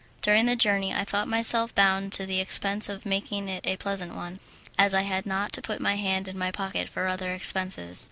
During the journey I thought myself bound to the expense of making it a pleasant one, as I had not to put my hand in my pocket for other expenses.